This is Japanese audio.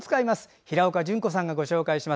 平岡淳子さんがご紹介します。